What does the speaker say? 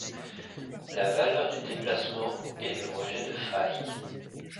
La valeur du déplacement est le rejet de faille.